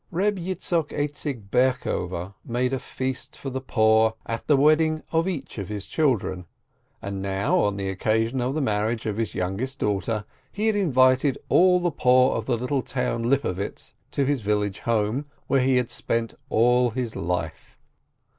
Reb Yitzchok Aizik Berkover had made a feast for the poor at the wedding of each of his children, and now, on the occasion of the marriage of his youngest daughter, he had invited all the poor of the little town Lipovietz to his village home, where he had spent all his life.